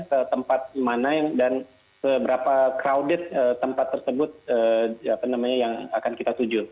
ke tempat mana dan seberapa crowded tempat tersebut yang akan kita tuju